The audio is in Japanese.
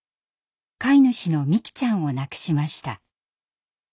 飼い主のみきちゃんを亡くしました。